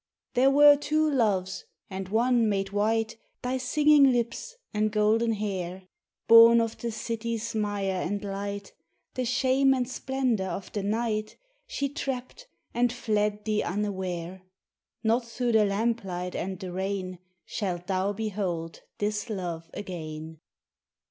There were two loves and one made white, Thy singing lips, and golden hair; Born of the city's mire and light, The shame and splendour of the night, She trapped and fled thee unaware; Not through the lamplight and the rain Shalt thou behold this love again.